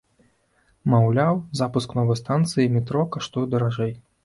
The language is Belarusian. Маўляў, запуск новай станцыі метро каштуе даражэй.